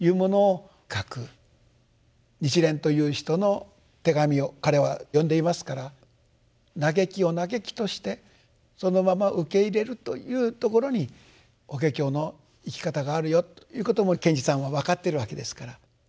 日蓮という人の手紙を彼は読んでいますから嘆きを嘆きとしてそのまま受け入れるというところに「法華経」の生き方があるよということも賢治さんは分かってるわけですから。